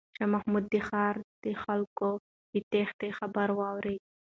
شاه محمود د ښار د خلکو د تیښتې خبر واورېد.